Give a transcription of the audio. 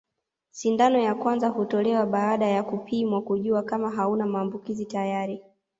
Sindano ya kwanza hutolewa baada ya kupimwa kujua kama hauna maambukizi tayari